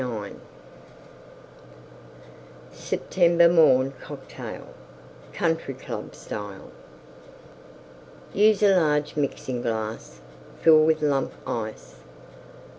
SEPTEMBER MORN COCKTAIL Country Club Style Use a large Mixing glass; fill with Lump Ice.